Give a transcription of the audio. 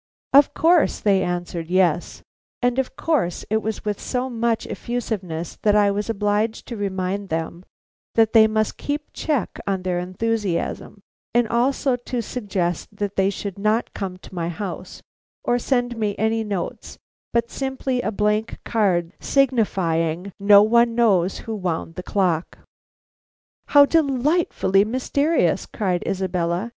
Of course they answered yes, and of course it was with so much effusiveness that I was obliged to remind them that they must keep a check on their enthusiasm, and also to suggest that they should not come to my house or send me any notes, but simply a blank card, signifying: "No one knows who wound the clock." "How delightfully mysterious!" cried Isabella.